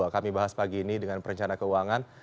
kami bahas pagi ini dengan perencana keuangan